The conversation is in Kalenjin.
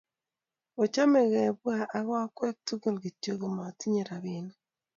kochome kebwaa ak akwek tugul, kityo komotinye robinik